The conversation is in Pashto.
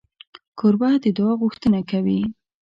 کوربه د دعا غوښتنه کوي.